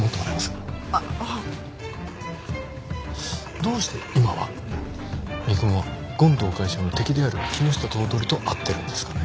どうして今は三雲は権藤会長の敵である木下頭取と会ってるんですかね？